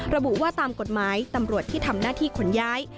ระบุว่าตามกฎหมายตำรวจที่ทำหน้าที่ขนย้าย